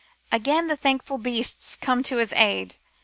Again the thankful beasts come to his aid.